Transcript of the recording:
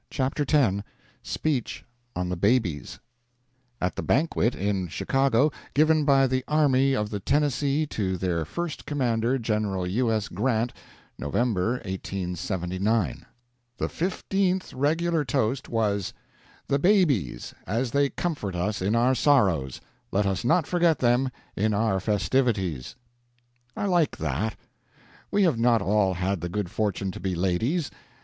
Digitized by VjOOQ iC THE BABIES Delivered at the Banquet, in Chicago, Given by the Army op the Tennessee to Their First Commander, General U. S. Grant, November, 1879 The fifteenth regular toast was " The Babies. — As they comfort us in our sorrows, let us not forget them in our festivities" I LIKE that. We have not all had the good fortune to be ladies.